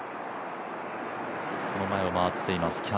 その前を回っています